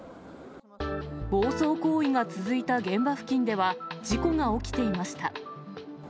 暴走行為が続いた現場付近では、事故が起きていました。